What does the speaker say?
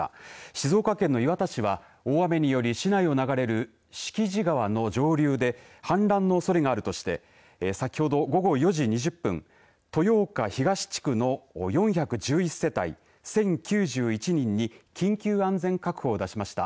静岡県の磐田市は大雨により市内を流れる敷地川の上流で氾濫のおそれがあるとして先ほど午後４時２０分豊岡東地区の４１１世帯１０９１人に緊急安全確保を出しました。